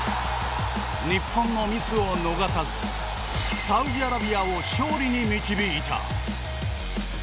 日本のミスを逃さずサウジアラビアを勝利に導いた。